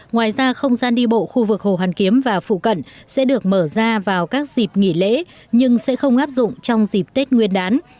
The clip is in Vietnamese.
ngoài ra không gian đi bộ khu vực hồ hoàn kiếm và phụ cận sẽ được mở ra vào các dịp nghỉ lễ nhưng sẽ không áp dụng trong dịp tết nguyên đán